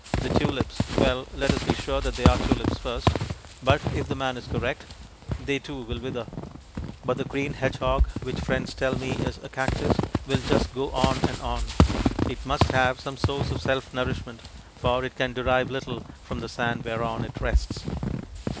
The tulips well, let us be sure that they are tulips first; but, if the man is correct, they too will wither. But the green hedgehog which friends tell me is a cactus will just go on and on. It must have some source of self nourishment, for it can derive little from the sand whereon it rests.